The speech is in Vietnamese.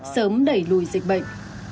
sớm đẩy lùi dịch bệnh